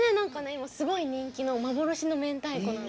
今すごい人気の幻の明太子なの。